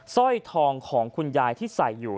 สร้อยทองของคุณยายที่ใส่อยู่